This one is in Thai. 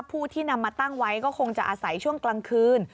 ผู้ที่นำมาตั้งไว้ก็คงจะอาศัยช่วงกลางคืน